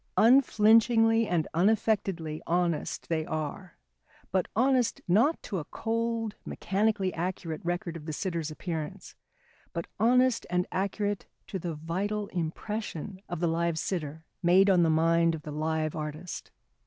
Unflinchingly and unaffectedly honest they are, but honest not to a cold, mechanically accurate record of the sitter's appearance, but honest and accurate to the vital impression of the live sitter made on the mind of the live artist.